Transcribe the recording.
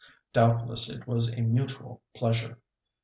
Doubtless it was a mutual pleasure.